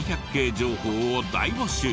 情報を大募集。